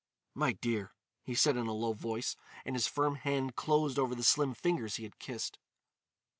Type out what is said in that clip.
"My dear," he said in a low voice, and his firm hand closed over the slim fingers he had kissed.